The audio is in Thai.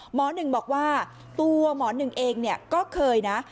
หมอหนึ่งบอกว่าตัวหมอหนึ่งเองก็เคยนะ